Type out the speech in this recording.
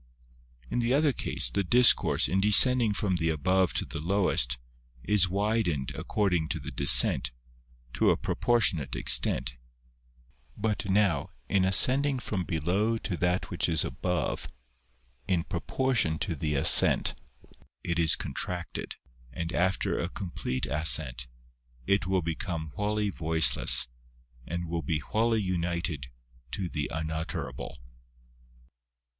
In the other case, the discourse, in descending from the above to the lowest, is widened according to the descent, to a propor tionate extent ; but now, in ascending from below to that which is above, in proportion to the ascent, it is contracted, and after a complete ascent, it will become wholly voiceless, and will be wholly united to the unutterable.